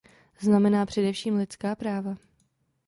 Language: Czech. Znamená především lidská práva.